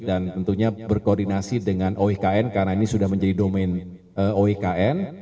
dan tentunya berkoordinasi dengan oikn karena ini sudah menjadi domen oikn